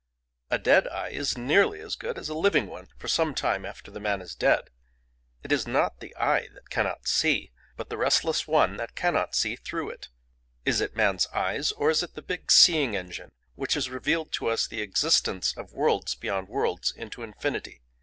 A dead eye is nearly as good as a living one for some time after the man is dead. It is not the eye that cannot see, but the restless one that cannot see through it. Is it man's eyes, or is it the big seeing engine which has revealed to us the existence of worlds beyond worlds into infinity?